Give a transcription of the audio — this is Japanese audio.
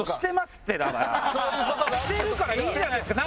してるからいいじゃないですか！